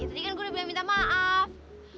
ya tadi kan gue udah bilang minta maaf